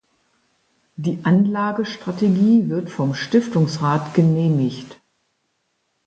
Die Anlagestrategie wird vom Stiftungsrat genehmigt.